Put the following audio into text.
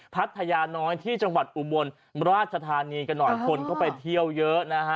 พัทยาน้อยที่จังหวัดอุบลราชธานีกันหน่อยคนเข้าไปเที่ยวเยอะนะฮะ